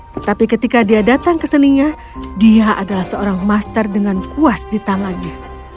tetapi ketika dia datang ke seninya dia adalah seorang master dengan kuas di tangannya